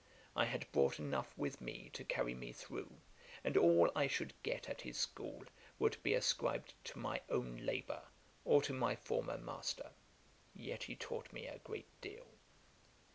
I had brought enough with me, to carry me through; and all I should get at his school would be ascribed to my own labour, or to my former master. Yet he taught me a great deal.'